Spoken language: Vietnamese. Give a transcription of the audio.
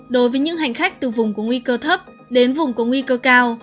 đối với những hành khách từ vùng có nguy cơ thấp đến vùng có nguy cơ cao